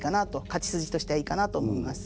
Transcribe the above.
勝ち筋としてはいいかなと思います。